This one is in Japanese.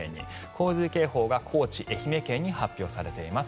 洪水警報が高知、愛媛県に発表されています。